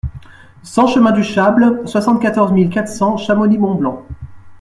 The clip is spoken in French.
cent chemin du Châble, soixante-quatorze mille quatre cents Chamonix-Mont-Blanc